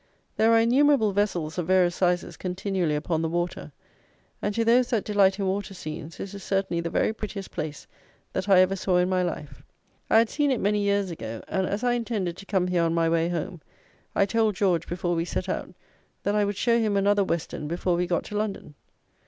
There are innumerable vessels of various sizes continually upon the water; and, to those that delight in water scenes, this is certainly the very prettiest place that I ever saw in my life. I had seen it many years ago; and, as I intended to come here on my way home, I told George, before we set out, that I would show him another Weston before we got to London.